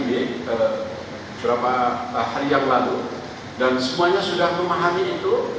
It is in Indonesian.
beberapa hari yang lalu dan semuanya sudah memahami itu